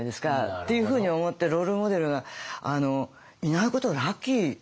っていうふうに思ってロールモデルがいないことはラッキー。